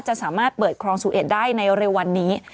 จะสามารถเปิดครองสุเอ็ดได้ในเร็ววันนี้